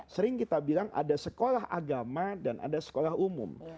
sering kita bilang ada sekolah agama dan ada sekolah umum